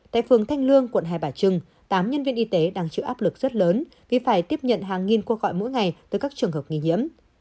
tại phường thanh lương quận hai bà trưng tám nhân viên y tế đang chịu áp lực rất lớn vì phải tiếp nhận hàng nghìn cuộc gọi mỗi ngày tới các trường hợp nghi nhiễm